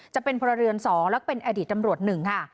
จะเป็นพลเรือน๒และเป็นอดีตตำรวจ๑ค่ะ